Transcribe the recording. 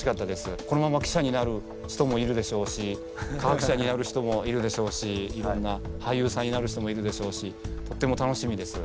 このまま記者になる人もいるでしょうし科学者になる人もいるでしょうし俳優さんになる人もいるでしょうしとっても楽しみです。